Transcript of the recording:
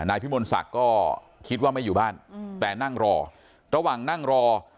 นายพิมลศักดิ์ก็คิดว่าไม่อยู่บ้านแต่นั่งรอระหว่างนั่งรอ